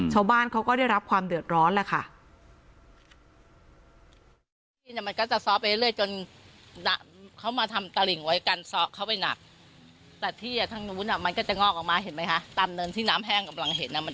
ชาวบ้านเขาก็ได้รับความเดือดร้อนล่ะค่ะ